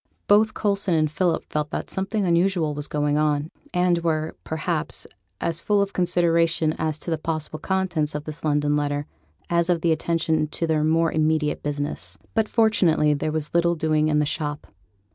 Both Coulson and Philip felt that something unusual was going on, and were, perhaps, as full of consideration as to the possible contents of this London letter, as of attention to their more immediate business. But fortunately there was little doing in the shop.